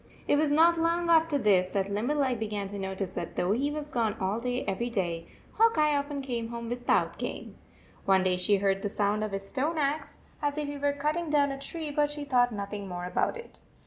39 It was not long after this that Limberleg began to notice that though he was gone all day every day, Hawk Eye often came home without game. One day she heard the sound of his stone axe, as if he were cutting down a tree, but she thought nothing more about it.